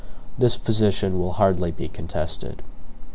This position will hardly be contested.